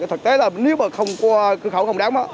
thực tế là nếu mà không có cơ khẩu không đáng á